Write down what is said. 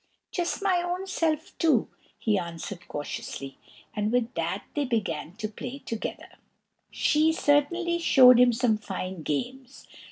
"Just my own self too!" he answered cautiously; and with that they began to play together. She certainly showed him some fine games.